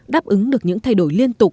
đáp ứng được những thay đổi liên tục